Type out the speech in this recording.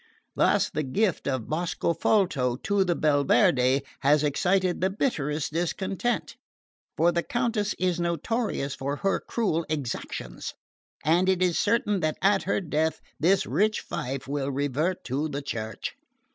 Thus, the gift of Boscofolto to the Belverde has excited the bitterest discontent; for the Countess is notorious for her cruel exactions, and it is certain that at her death this rich fief will revert to the Church.